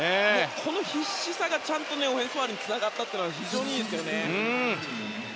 この必死さがちゃんとオフェンスファウルにつながったのが非常にいいですね。